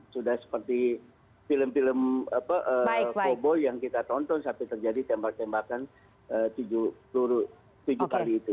sudah seperti film film koboi yang kita tonton sampai terjadi tembak tembakan tujuh kali itu